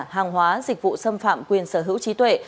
hàng hóa dịch vụ xâm phạm quyền sở hữu trí tuệ